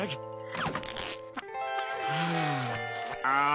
ああ。